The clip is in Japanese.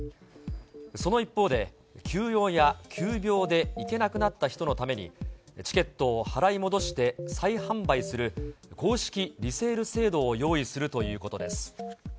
その一方で、急用や急病で行けなくなった人のために、チケットを払い戻して再販売する、公式リセール制度を用意するということです。